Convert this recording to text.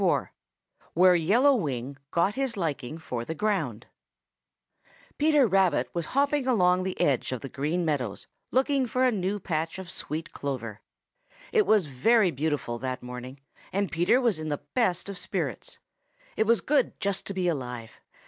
IV WHERE YELLOW WING GOT HIS LIKING FOR THE GROUND Peter Rabbit was hopping along on the edge of the Green Meadows, looking for a new patch of sweet clover. It was very beautiful that morning, and Peter was in the best of spirits. It was good just to be alive.